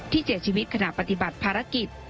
เสียชีวิตขณะปฏิบัติภารกิจ